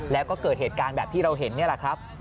แล้วก็เกิดเหตุการณ์แบบที่เราเห็นนี่แหละครับ